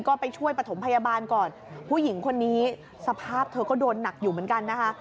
ก็ไปช่วยประถมพยาบาลก่อนผู้หญิงคนนี้สภาพเธอก็โดนหนักอยู่เหมือนกันนะคะ